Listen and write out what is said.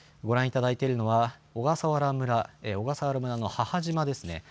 ご覧いただいているのは、小笠原村の母島ですね。